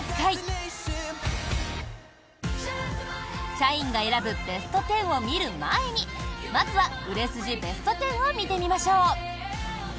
社員が選ぶベスト１０を見る前にまずは売れ筋ベスト１０を見てみましょう。